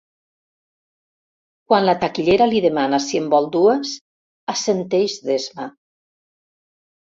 Quan la taquillera li demana si en vol dues, assenteix d'esma.